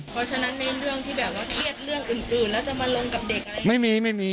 เพราะฉะนั้นในเรื่องที่แบบว่าเครียดเรื่องอื่นแล้วจะมาลงกับเด็กอะไรอย่างนี้